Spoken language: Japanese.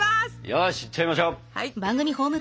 よしいっちゃいましょう！